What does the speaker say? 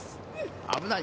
危ない。